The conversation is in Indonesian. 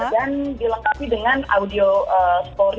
dan dilengkapi dengan audio story